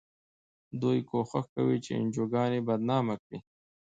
دوی کوښښ کوي چې انجوګانې بدنامې کړي.